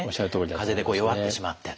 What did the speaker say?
かぜで弱ってしまってと。